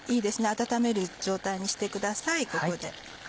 温める状態にしてくださいここで。